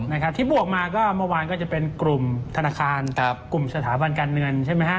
นะครับที่บวกมาก็เมื่อวานก็จะเป็นกลุ่มธนาคารครับกลุ่มสถาบันการเงินใช่ไหมฮะ